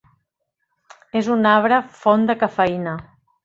És un arbre font de cafeïna.